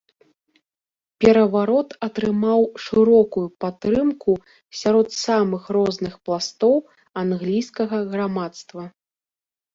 Пераварот атрымаў шырокую падтрымку сярод самых розных пластоў англійскага грамадства.